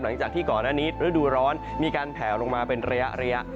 หลังจากที่ก่อนอันนี้ฤดูร้อนมีการแผลลงมาเป็นระยะ